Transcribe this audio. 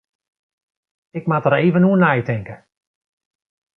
Ik moat der even oer neitinke.